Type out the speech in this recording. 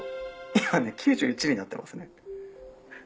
今ね９１になってますね。